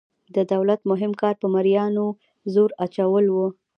د دولت مهم کار په مرئیانو زور اچول وو.